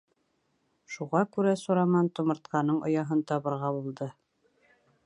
Шуға күрә Сураман тумыртҡаның ояһын табырға булды.